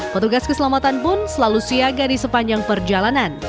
petugas keselamatan pun selalu siaga di sepanjang perjalanan